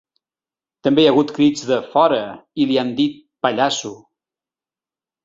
També hi ha hagut crits de ‘fora’ i li han dit ‘pallasso’.